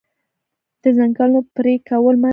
د ځنګلونو پرې کول منع دي.